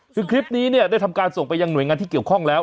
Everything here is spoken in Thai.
ซึ่งคลิปนี้เนี่ยได้ทำการส่งไปยังหน่วยงานที่เกี่ยวข้องแล้ว